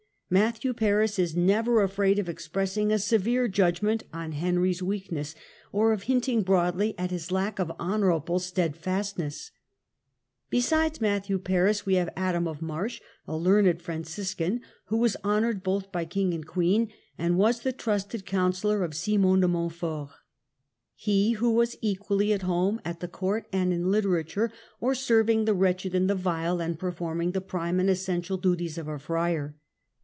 Matthew Paris is never afraid of expressing a severe judgment on Henry's weakness, or of hinting broadly at his lack of honourable stedfastness. Besides Matthew Paris we have Adam of Marsh, a learned Francis can, who was honoured both by king and queen, and was the trusted counsellor of Simon de Montfort; he who was equally at home at the court and in literature, or " serving the wretched and the vile, and performing the prime and essential duties of a friar".